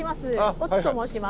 越智と申します。